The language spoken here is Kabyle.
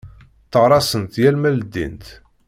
Tteɣraṣent yal ma ldint.